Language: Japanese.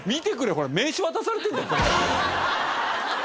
ほら名刺渡されてるんだよ。